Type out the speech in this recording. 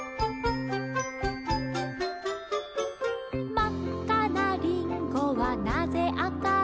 「まっかなリンゴはなぜあかい」